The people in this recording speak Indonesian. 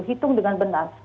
hitung dengan benar